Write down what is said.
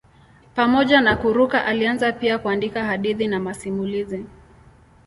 Pamoja na kuruka alianza pia kuandika hadithi na masimulizi.